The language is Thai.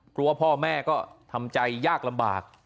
กลัวว่าพ่อแม่ก็ทำใจยากลำบาก